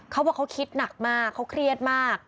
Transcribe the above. เขาบอกเขาคิดหนักมากเขาเครียดมาก